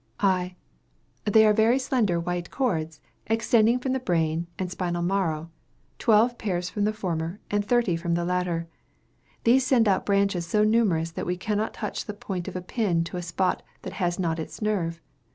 I. They are very slender white cords, extending from the brain and spinal marrow twelve pairs from the former, and thirty from the latter. These send out branches so numerous that we cannot touch the point of a pin to a spot that has not its nerve.